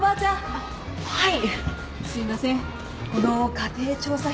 あっはい。